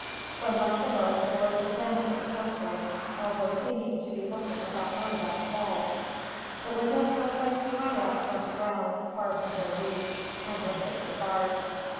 When left alone the boys examined this closely, although seeming to be looking without motive at the walls. The windows were placed high up from the ground, far beyond their reach, and were thickly barred.